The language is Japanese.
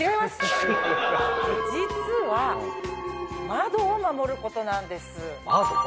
実は窓を守ることなんです。